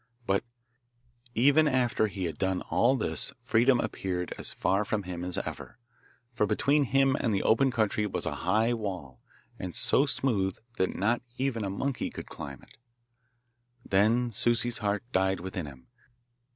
But even after he had done all this freedom appeared as far from him as ever, for between him and the open country was a high wall, and so smooth that not even a monkey could climb it. Then Souci's heart died within him.